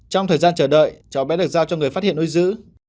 trong thời gian chờ đợi cháu bé được giao cho người phát hiện nuôi giữ